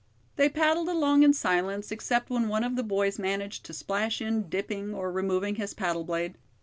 They paddled along in silence, except when one of the boys managed to splash in dipping or removing his paddle blade.